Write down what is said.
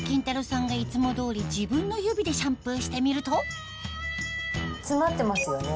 さんがいつも通り自分の指でシャンプーしてみると詰まってますよね。